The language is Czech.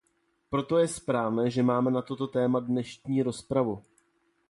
Proto je správné, že máme na toto téma dnešní rozpravu.